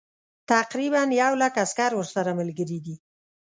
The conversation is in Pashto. تقریبا یو لک عسکر ورسره ملګري دي.